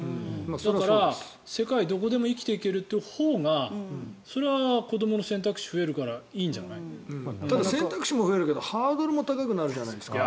だから、世界どこでも生きていけるというほうがそれは子どもの選択肢が増えるから選択肢も増えるけどハードルも高くなるじゃないですか。